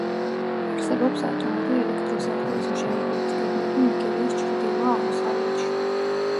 არსებობს ატომური ელექტროსადგურის მშენებლობის გეგმები ნიგერიის ჩრდილო-აღმოსავლეთში.